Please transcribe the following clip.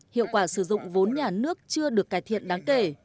hiệu quả sử dụng vốn nhà nước chưa được cải thiện đáng kể